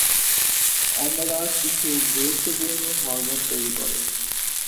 অমরা কিছু গুরুত্বপূর্ণ হরমোন তৈরি করে।